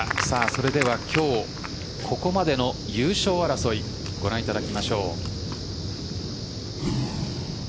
それでは今日、ここまでの優勝争いをご覧いただきましょう。